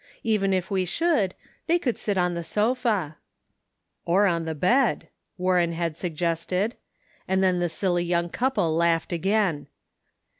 Even if we should, they could sit on the sofa." " Or the bed," Warren had suggested ; and then the silly young couple laughed again.